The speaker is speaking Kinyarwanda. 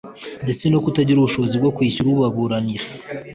ndetse no kutagira ubushobozi bwo kwishyura ubaburanira